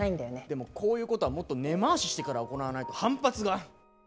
でもこういうことはもっと根回ししてから行わないと反発が。